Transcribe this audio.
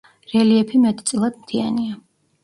რელიეფი მეტწილად მთიანია.